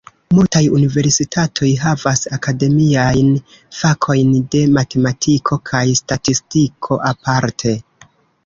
Multaj universitatoj havas akademiajn fakojn de matematiko kaj statistiko aparte.